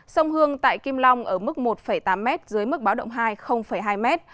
sông hương tại kim long ở mức một tám m dưới mức báo động hai hai m